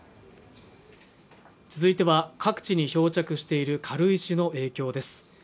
続いては、各地に漂着している軽石の影響です。